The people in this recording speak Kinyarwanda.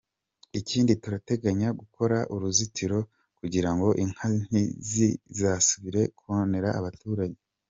Ikindi turateganya gukora uruzitiro kugirango inka ntizizasubire konera abaturage.